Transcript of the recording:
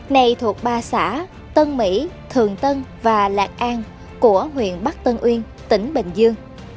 này thuộc ba xã tân mỹ thường tân và lạc an của huyện bắc tân uyên tỉnh bình dương